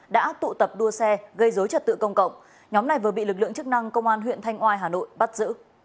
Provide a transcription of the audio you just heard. đã tụ tập đua xe gây dối trật tự công cộng